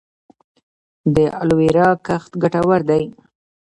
د الوویرا کښت ګټور دی؟